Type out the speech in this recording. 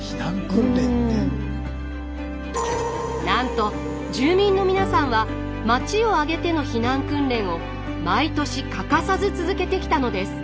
なんと住民の皆さんは町を挙げての避難訓練を毎年欠かさず続けてきたのです。